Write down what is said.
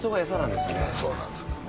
そうなんです。